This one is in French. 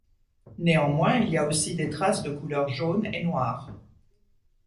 Néanmoins il y a aussi des traces de couleur jaune et noire.